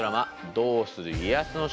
「どうする家康」の主人公